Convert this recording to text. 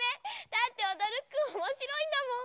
だっておどるくんおもしろいんだもん。